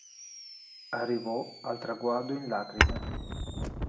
Arrivò al traguardo in lacrime.